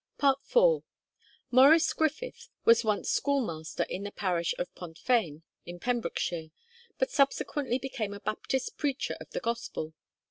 IV. Morris Griffith was once schoolmaster in the parish of Pontfaen, in Pembrokeshire, but subsequently became a Baptist preacher of the Gospel.